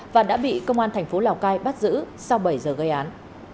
và đã bị công an thành phố lào cai bắt giữ sau bảy giờ gây án